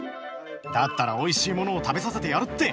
だったらおいしいものを食べさせてやるって。